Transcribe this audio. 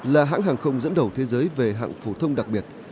là hãng hàng không dẫn đầu thế giới về hãng phổ thông đặc biệt